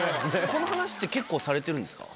この話結構されてるんですか？